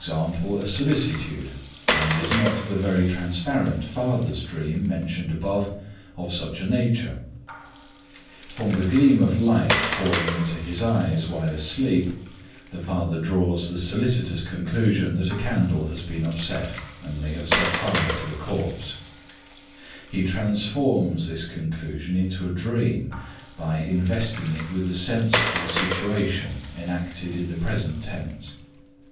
_, a solicitude, and is not the very transparent father's dream mentioned above of just such a nature? From the gleam of light falling into his eyes while asleep the father draws the solicitous conclusion that a candle has been upset and may have set fire to the corpse; he transforms this conclusion into a dream by investing it with a senseful situation enacted in the present tense.